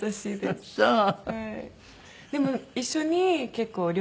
ああそう！